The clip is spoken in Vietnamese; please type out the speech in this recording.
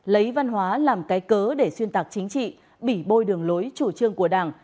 lấy văn hóa làm cái cớ để xuyên tạc chính trị bị bôi đường lối chủ trương của đảng